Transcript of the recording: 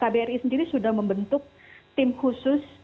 kbri sendiri sudah membentuk tim khusus